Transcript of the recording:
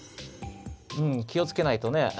うんきをつけないとね。